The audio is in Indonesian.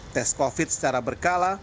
tes covid secara berkala